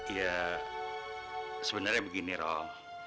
ya sebenarnya begini roh